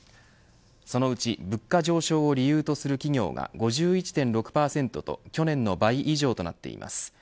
そのうち物価上昇を理由とする企業が５１．６％と去年の倍以上となっています。